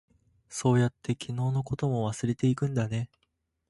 そうやって、昨日のことも忘れていくんだね。